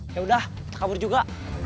yaudah kita kabur juga